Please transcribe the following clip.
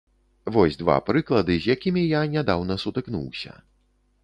Вось два прыклады, з якімі я нядаўна сутыкнуўся.